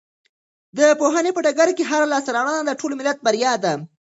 د پوهنې په ډګر کې هره لاسته راوړنه د ټول ملت بریا ده.